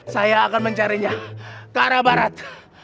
saya akan mencarinya ke arah barat